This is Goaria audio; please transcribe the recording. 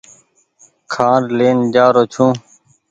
کآنڊ لين جآرو ڇون۔